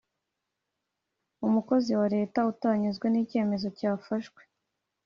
Umukozi wa Leta utanyuzwe n icyemezo cyafashwe